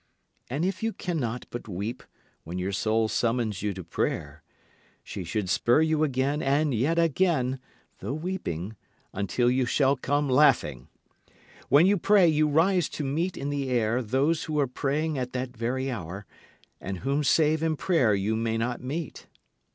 And if you cannot but weep when your soul summons you to prayer, she should spur you again and yet again, though weeping, until you shall come laughing. When you pray you rise to meet in the air those who are praying at that very hour, and whom save in prayer you may not meet.